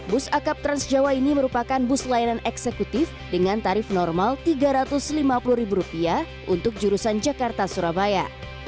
bus akap transjawa ini merupakan bus layanan eksekutif dengan tarif normal rp tiga ratus lima puluh untuk jurusan jakarta surabaya